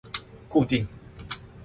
固定